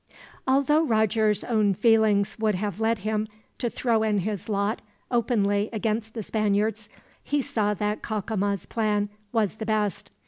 Although Roger's own feelings would have led him to throw in his lot openly against the Spaniards, he saw that Cacama's plan was the best.